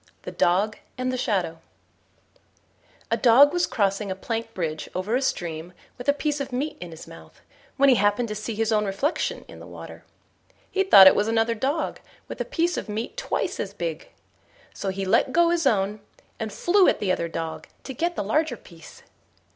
THE DOG AND THE SHADOW A Dog was crossing a plank bridge over a stream with a piece of meat in his mouth, when he happened to see his own reflection in the water. He thought it was another dog with a piece of meat twice as big; so he let go his own, and flew at the other dog to get the larger piece.